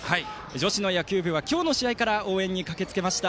女子の野球部は今日の試合から応援に駆けつけました。